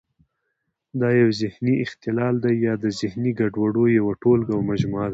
دا یو ذهني اختلال دی یا د ذهني ګډوډیو یوه ټولګه او مجموعه ده.